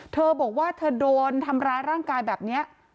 เธอบอกว่าเธอโดนทำร้ายร่างกายแบบนี้